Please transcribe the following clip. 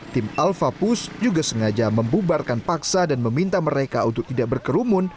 tim alfa pus juga sengaja membubarkan paksa dan meminta mereka untuk tidak berkerumun